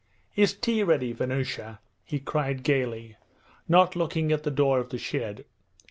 'Is tea ready, Vanyusha?' he cried gaily, not looking at the door of the shed.